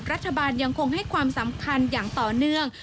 รัฐบาลยังคงให้ความสำคัญอย่างต่อเนื่อง